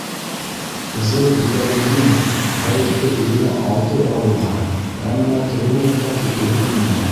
З.Биләлетдинов ғәйепте үҙенә алды алыуға, әммә тренерлыҡтан киткеһе килмәне.